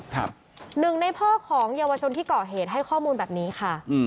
หนึ่งในพ่อของเยาวชนที่ก่อเหตุให้ข้อมูลแบบนี้ค่ะ